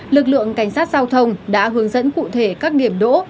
lực lượng cảnh sát giao thông đã hướng dẫn cụ thể các điểm đỗ